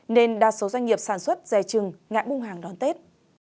nên đa số doanh nghiệp sản xuất dè chừng ngã buôn hàng đón tết